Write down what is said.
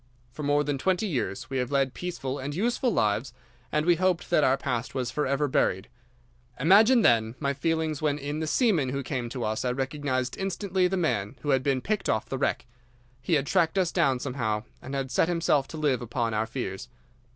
For more than twenty years we have led peaceful and useful lives, and we hoped that our past was forever buried. Imagine, then, my feelings when in the seaman who came to us I recognised instantly the man who had been picked off the wreck. He had tracked us down somehow, and had set himself to live upon our fears.